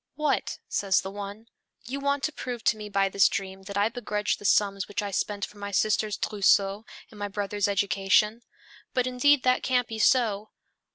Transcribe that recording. "What," says the one, "you want to prove to me by this dream that I begrudged the sums which I spent for my sister's trousseau and my brother's education? But indeed that can't be so.